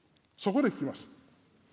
そこで聞きます。